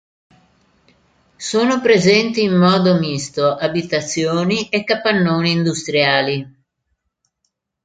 Sono presenti in modo misto abitazioni e capannoni industriali.